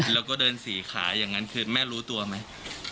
แล้วก็เดินสีขาอย่างนั้นคือแม่รู้ตัวไหม